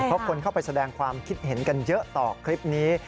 เพราะคนเข้าไปแสดงความคิดเห็นกันเยอะต่อคลิปนี้